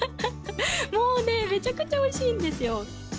めちゃくちゃおいしいんですよ！